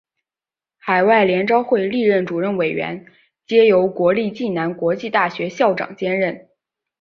海外联招会历届主任委员皆由国立暨南国际大学校长兼任。